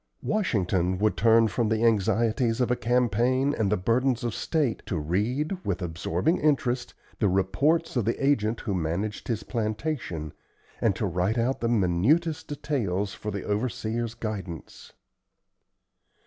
Washington would turn from the anxieties of a campaign and the burdens of state to read, with absorbing interest, the reports of the agent who managed his plantation, and to write out the minutest details for the overseer's guidance.